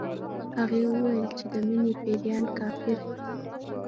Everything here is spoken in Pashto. هغې ويل چې د مينې پيريان کافر دي